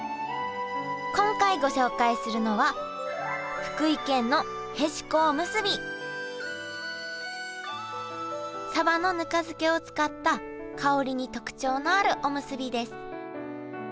今回ご紹介するのはサバのぬか漬けを使った香りに特徴のあるおむすびです。